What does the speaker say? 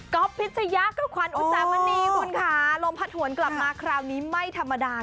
พิชยะกับขวัญอุตสามณีคุณค่ะลมพัดหวนกลับมาคราวนี้ไม่ธรรมดา